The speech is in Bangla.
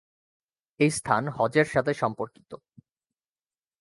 এই স্থান হজ্জের সাথে সম্পর্কিত।